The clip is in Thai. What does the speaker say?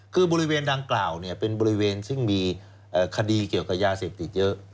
คือบริเวณดังกล่าวเป็นบริเวณซึ่งมีคดีเกี่ยวกับยาเสพติดเยอะ